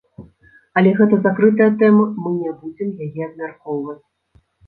Але гэта закрытая тэма, мы не будзем яе абмяркоўваць.